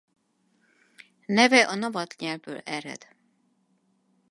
Neve a navatl nyelvből ered.